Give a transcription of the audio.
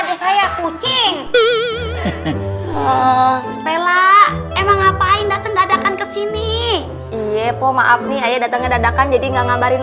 lela emang ngapain dateng dadakan kesini iya po maaf nih datangnya dadakan jadi enggak ngambarin